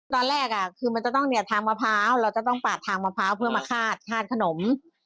ตอนแรกคือมันจะต้องเนี่ยทางมะพร้าวเราจะต้องปาดทางมะพร้าวเพื่อมาคาดคาดขนม